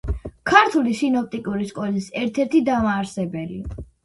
ქართული სინოპტიკური სკოლის ერთ-ერთი დამაარსებელი.